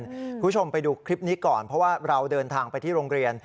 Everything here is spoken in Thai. คุณผู้ชมไปดูคลิปนี้ก่อนเพราะว่าเราเดินทางไปที่โรงเรียน